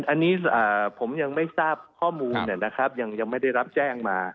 อันนี้ผมยังไม่ทราบข้อมูลนะครับยังไม่ได้รับแจ้งมา